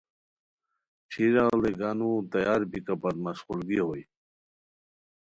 ݯھیرا ڑیگانو تیاربیکہ پت مشقولگی ہوئے